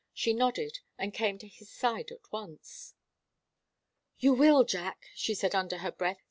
She nodded, and came to his side at once. "You will, Jack," she said under her breath.